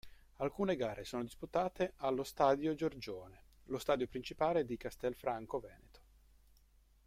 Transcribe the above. Alcune gare sono disputate allo Stadio Giorgione, lo stadio principale di Castelfranco Veneto.